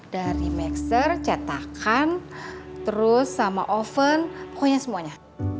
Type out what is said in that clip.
dari maxer cetakan terus sama oven pokoknya semuanya